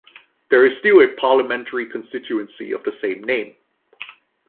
There is still a parliamentary constituency of the same name.